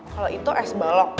kalau itu s balok